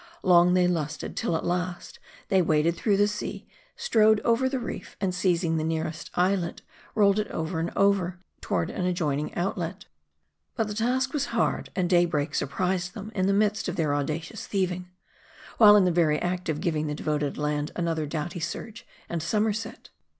Long they lusted ; till at last, they waded through the sea, strode over the reef, and seizing the nearest islet, rolled it over and over, toward an adjoining outlet. " But the task was hard ; and day break surprised them in the midst of their audacious thieving ; while in the very act of giving the devoted land another doughty surge and somerset.